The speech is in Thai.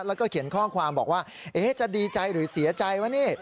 แล้วก็เขียนข้อความบอกว่าจะดีใจหรือเสียใจวะนี่